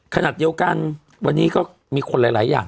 ขณะเดียวกันวันนี้ก็มีคนหลายอย่าง